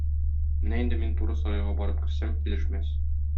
Менә инде мин туры сарайга барып керсәм, килешмәс.